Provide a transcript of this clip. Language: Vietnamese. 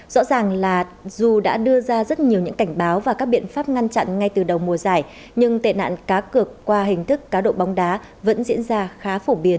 rõ ràng là dù đã đưa ra rất nhiều những cảnh báo và các biện pháp ngăn chặn ngay từ đầu mùa giải nhưng tệ nạn cá cược qua hình thức cá độ bóng đá vẫn diễn ra khá phổ biến